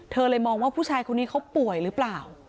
เธอเลยมองว่าผู้ชายคนนี้เขาป่วยหรือเปล่า